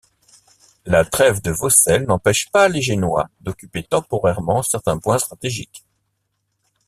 La trêve de Vaucelles n'empêche pas les Génois d'occuper temporairement certains points stratégiques.